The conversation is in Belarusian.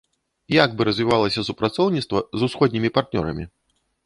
Як бы развівалася супрацоўніцтва з усходнімі партнёрамі?